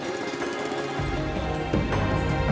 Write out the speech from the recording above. sini waktu keluar ini dikeluarin